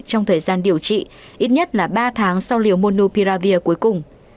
trong thời gian điều trị ít nhất là ba tháng sau liều monopiravir cuối cùng